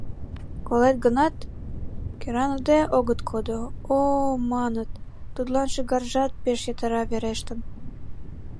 Колет гынат, кӧраныде огыт кодо: «О-о-о, маныт, тудлан шӱгаржат пеш йытыра верештын!»